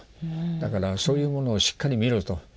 だからそういうものをしっかり見ろと。